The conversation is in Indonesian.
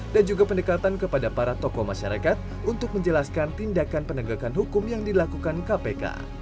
dan juga pendekatan kepada para tokoh masyarakat untuk menjelaskan tindakan penegakan hukum yang dilakukan kpk